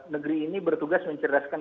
negeri ini bertugas mencerdaskan